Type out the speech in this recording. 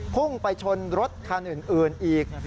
พุ่งไปชนรถคันอื่นอีก